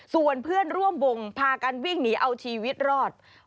ส่วนเพื่อนร่วมวงพากันวิ่งหนีเอาชีวิตรอด